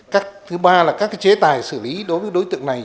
các thứ ba là các chế tài xử lý đối với đối tượng này